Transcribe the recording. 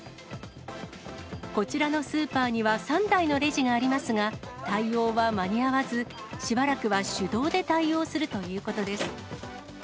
こちらのスーパーには３台のレジがありますが、対応は間に合わず、しばらくは手動で対応するということです。